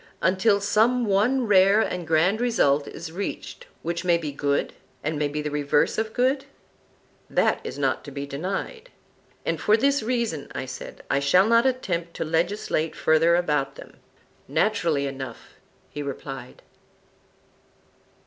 Until some one rare and grand result is reached which may be good, and may be the reverse of good? That is not to be denied. And for this reason, I said, I shall not attempt to legislate further about them. Naturally enough, he replied.